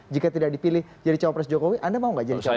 jika tidak dipilih jadi cawapres jokowi anda mau gak jadi cawapres